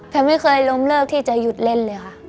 ไม่เคยล้มเลิกที่จะหยุดเล่นเลยค่ะ